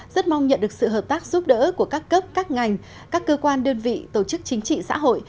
rất mong nhận được sự hợp tác giúp đỡ của các cấp các ngành các cơ quan đơn vị tổ chức chính trị xã hội